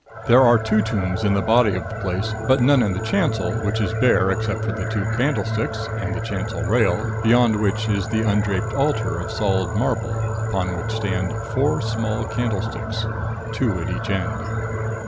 There are two tombs in the body of the place; but none in the chancel, which is bare, except for the tall candlesticks, and the chancel rail, beyond which is the undraped altar of solid marble, upon which stand four small candlesticks, two at each end.